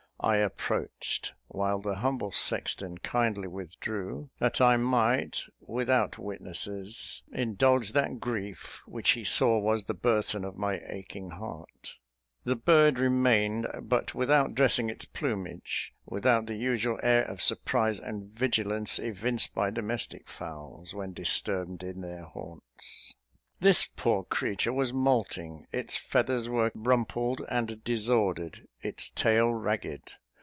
I approached, while the humble sexton kindly withdrew, that I might, without witnesses, indulge that grief which he saw was the burthen of my aching heart. The bird remained, but without dressing its plumage, without the usual air of surprise and vigilance evinced by domestic fowls, when disturbed in their haunts. This poor creature was moulting; its feathers were rumpled and disordered; its tail ragged.